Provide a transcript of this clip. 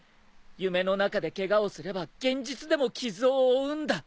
夢の中でケガをすれば現実でも傷を負うんだ。